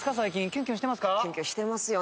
キュンキュンしてますよ